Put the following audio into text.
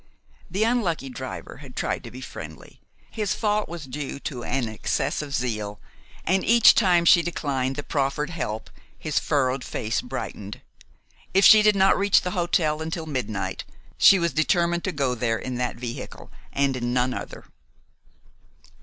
The unlucky driver had tried to be friendly; his fault was due to an excess of zeal; and each time she declined the proffered help his furrowed face brightened. If she did not reach the hotel until midnight she was determined to go there in that vehicle, and in none other.